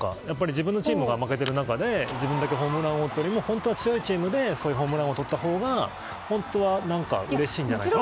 自分のチームが負けている中で自分がホームラン王というよりも本当は強いチームでホームラン王をとったほうが本当はうれしいんじゃないかなって。